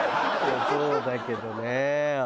そうだけどね。